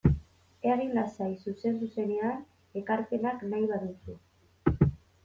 Egin lasai zuzen-zuzenean ekarpenak nahi baduzu.